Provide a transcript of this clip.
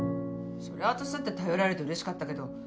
そりゃ私だって頼られて嬉しかったけど。